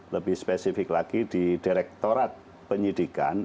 lebih spesifik lagi di direktorat penyidikan